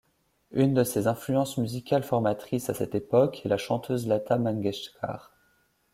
Une de ses influences musicales formatrices à cette époque est la chanteuse Lata Mangeshkar.